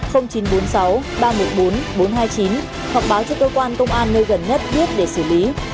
hoặc báo cho cơ quan công an nơi gần nhất biết để xử lý